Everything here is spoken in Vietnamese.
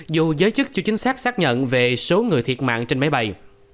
dù giới chức chưa chính xác xác nhận về số người thiệt mạng trên máy bay